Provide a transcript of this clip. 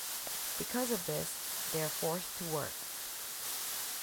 Because of this, they’re forced to work.